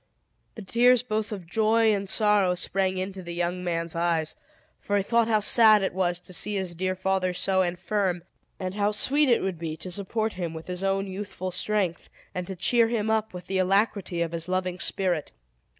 The tears both of joy and sorrow sprang into the young man's eyes; for he thought how sad it was to see his dear father so infirm, and how sweet it would be to support him with his own youthful strength, and to cheer him up with the alacrity of his loving spirit.